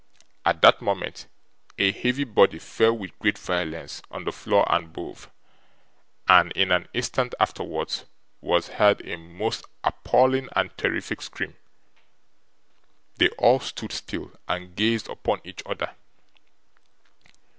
At that moment, a heavy body fell with great violence on the floor above, and, in an instant afterwards, was heard a most appalling and terrific scream. They all stood still, and gazed upon each other.